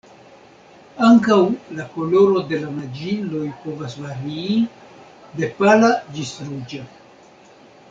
Ankaŭ la koloro de la naĝiloj povas varii, de pala ĝis ruĝa.